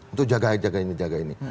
untuk jaga ini jaga ini